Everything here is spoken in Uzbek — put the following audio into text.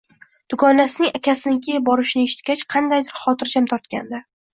Dugonasining akasinikiga borishini etishgach, qandaydir xotirjam tortgandi